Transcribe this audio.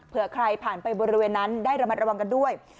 เพื่อใครผ่านไปบริเวณนั้นได้ระมัดระวังกันด้วย